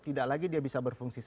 tidak lagi dia bisa berada di luar